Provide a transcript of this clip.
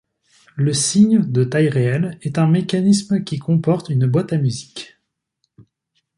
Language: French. Le cygne, de taille réelle, est un mécanisme qui comporte une boîte à musique.